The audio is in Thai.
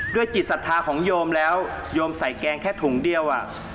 จิตศรัทธาของโยมแล้วโยมใส่แกงแค่ถุงเดียว